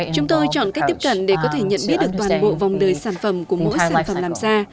chúng tôi chọn cách tiếp cận để có thể nhận biết được toàn bộ vòng đời sản phẩm của mỗi sản phẩm làm ra